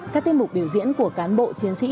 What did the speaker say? các tiết mục biểu diễn của cán bộ chiến sĩ